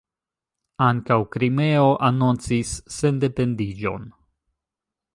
Ankaŭ Krimeo anoncis sendependiĝon.